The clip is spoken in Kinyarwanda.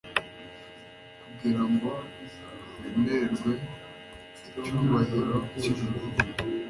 Kugira ngo bemererwe icyubahiro cy'ijuru,